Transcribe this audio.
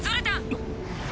あっ。